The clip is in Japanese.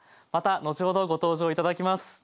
また後ほどご登場頂きます。